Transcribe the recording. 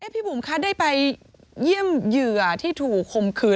บุ๋มคะได้ไปเยี่ยมเหยื่อที่ถูกคมคืน